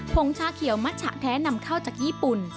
งชาเขียวมัชฉะแท้นำเข้าจากญี่ปุ่น